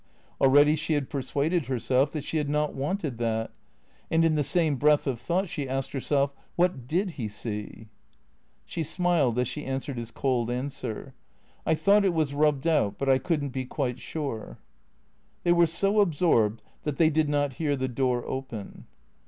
Already she had per suaded herself that she had not wanted that. And in the same breath of thought she asked herself, " What did he see ?" She smiled as she answered his cold answer. " I thought it was rubbed out, but I could n't be quite sure." They were so absorbed that they did not hear the door open.